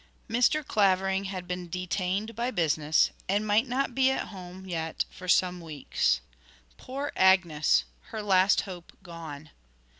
Mr. Clavering had been detained by business, and might not be at home yet for some weeks. Poor Agnes! her last hope gone.